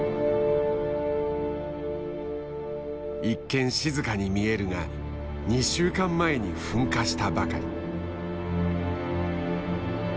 一見静かに見えるが２週間前に噴火したばかり。